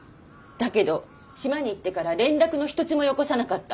だけど島に行ってから連絡の一つもよこさなかった。